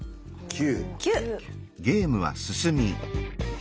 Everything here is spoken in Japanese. ９。